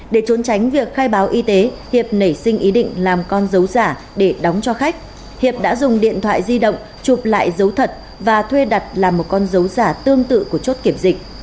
để trốn tránh việc khai báo y tế hiệp nảy sinh ý định làm con dấu giả để đóng cho khách hiệp đã dùng điện thoại di động chụp lại giấu thật và thuê đặt làm một con dấu giả tương tự của chốt kiểm dịch